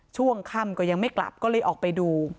ช่วงค่ำก็ยังไม่กลับก็เลยออกไปดู